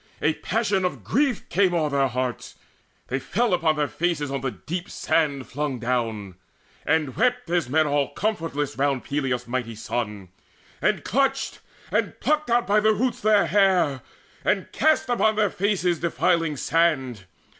A passion of grief Came o'er their hearts; they fell upon their faces On the deep sand flung down, and wept as men All comfortless round Peleus' mighty son, And clutched and plucked out by the roots their hair, And east upon their heads defiling sand.